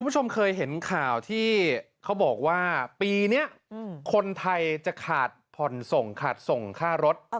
คุณผู้ชมเคยเห็นข่าวที่เขาบอกว่าปีนี้คนไทยจะขาดผ่อนส่งขาดส่งค่ารถ